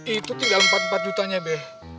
itu tinggal empat puluh empat juta nya be